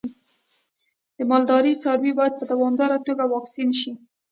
د مالدارۍ څاروی باید په دوامداره توګه واکسین شي.